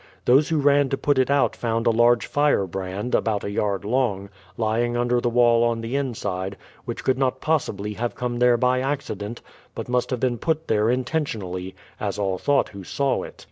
Those who ran to put it out found a large firebrand, about a yard long, lying under the wall on the inside, which could not possibly have come there by accident, but must have been put there intentionally, as all thought who saw it.